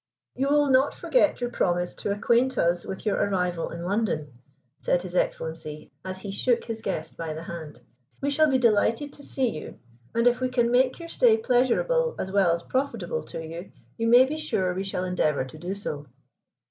"You will not forget your promise to acquaint us with your arrival in London," said His Excellency as he shook his guest by the hand. "We shall be delighted to see you, and if we can make your stay pleasurable as well as profitable to you, you may be sure we shall endeavor to do so."